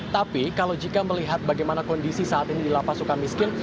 tapi kalau jika melihat bagaimana kondisi saat ini di lp sukamiskin